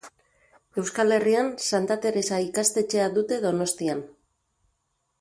Euskal Herrian Santa Teresa ikastetxea dute Donostian.